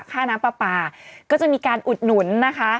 ค่าน้ำปลาก็จะมีการอุดหนุนนะคะ